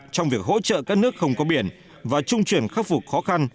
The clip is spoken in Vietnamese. trong việc hỗ trợ các nước không có biển và trung chuyển khắc phục khó khăn